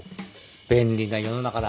便利な世の中だ。